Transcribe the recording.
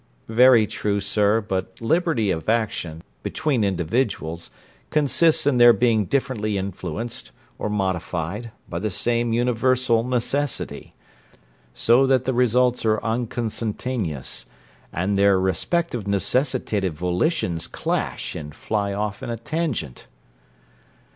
'Very true, sir; but liberty of action, between individuals, consists in their being differently influenced, or modified, by the same universal necessity; so that the results are unconsentaneous, and their respective necessitated volitions clash and fly off in a tangent.'